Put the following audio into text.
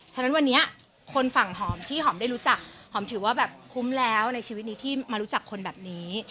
ฉะนั้นวันนี้คนฝั่งหอมที่หอมได้รู้จักหอมถือว่าแบบคุ้มแล้วในชีวิตนี้ที่มารู้จักคนแบบนี้